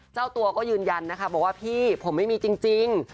เจ้าตัวก็ยืนยันนะคะบอกว่าพี่ผมไม่มีจริง